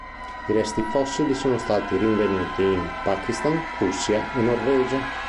I suoi resti fossili sono stati rinvenuti in Pakistan, Russia e Norvegia.